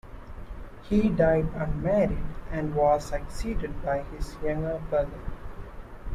He died unmarried and was succeeded by his younger brother.